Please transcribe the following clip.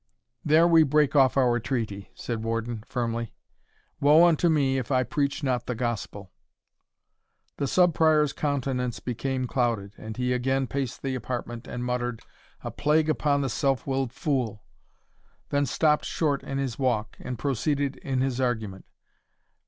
"There we break off our treaty," said Warden, firmly "Wo unto me if I preach not the Gospel!" The Sub Prior's countenance became clouded, and he again paced the apartment, and muttered, "A plague upon the self willed fool!" then stopped short in his walk, and proceeded in his argument.